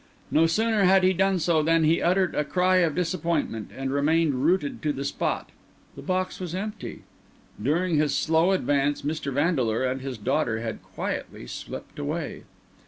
No sooner had he done so than he uttered a cry of disappointment and remained rooted to the spot. The box was empty. During his slow advance Mr. Vandeleur and his daughter had quietly slipped away.